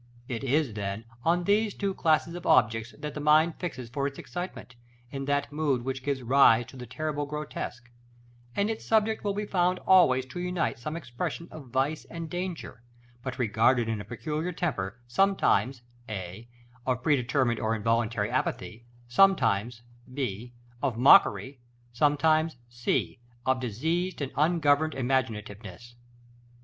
It is, then, on these two classes of objects that the mind fixes for its excitement, in that mood which gives rise to the terrible grotesque; and its subject will be found always to unite some expression of vice and danger, but regarded in a peculiar temper; sometimes (A) of predetermined or involuntary apathy, sometimes (B) of mockery, sometimes (C) of diseased and ungoverned imaginativeness.